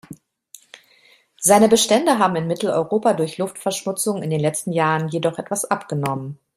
Seine Bestände haben in Mitteleuropa durch Luftverschmutzung in den letzten Jahren jedoch etwas abgenommen.